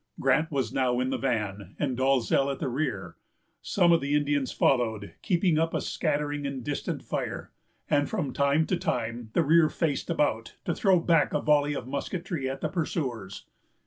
Grant was now in the van, and Dalzell at the rear. Some of the Indians followed, keeping up a scattering and distant fire; and from time to time the rear faced about, to throw back a volley of musketry at the pursuers.